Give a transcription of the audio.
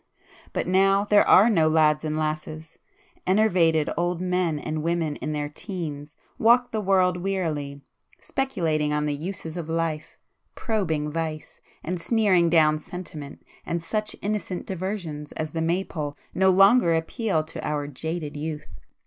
But now there are no lads and lasses,—enervated old men and women in their teens walk the world wearily, speculating on the uses of life,—probing vice, and sneering down sentiment, and such innocent diversions as the Maypole no longer appeal to our jaded youth.